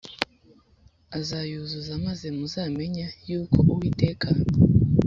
azayuzuza maze muzamenye yuko Uwiteka